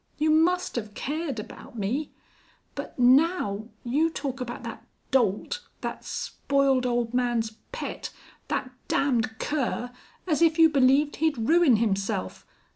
You must have cared about me. But now you talk about that dolt that spoiled old man's pet that damned cur, as if you believed he'd ruin himself.